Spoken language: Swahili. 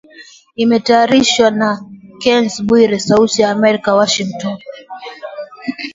Imetayarishwa na Kennes Bwire sauti ya Amerika Washington